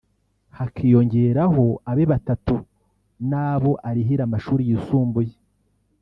hakiyongeraho abe batatu nabo arihira amashuri yisumbuye